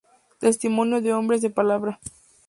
Testimonio de hombres de palabra".